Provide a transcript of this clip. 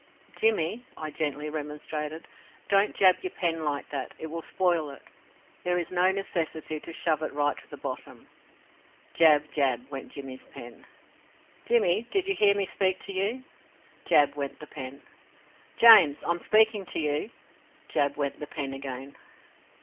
"Jimmy," I gently remonstrated, "don't jab your pen like that it will spoil it. There is no necessity to shove it right to the bottom." Jab, jab, went Jimmy's pen. "Jimmy, did you hear me speak to you?" Jab went the pen. "James, I am speaking to you!" Jab went the pen again.